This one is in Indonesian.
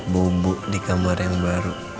bumbu di kamar yang baru